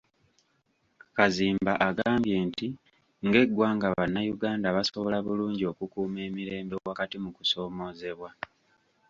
Kazimba agambye nti ng'eggwanga bannayuganda basobola bulungi okukuuma emirembe wakati mu kusoomoozebwa.